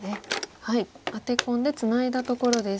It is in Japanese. アテ込んでツナいだところです。